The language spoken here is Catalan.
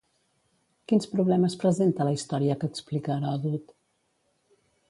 Quins problemes presenta la història que explica Heròdot?